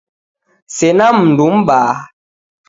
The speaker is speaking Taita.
Sena mndu mbaha